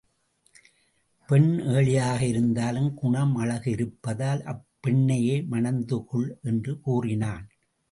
பெண் ஏழையாக இருந்தாலும் குணம், அழகு இருப்பதால் அப்பெண்ணையே மணந்துகொள் என்று கூறினான்.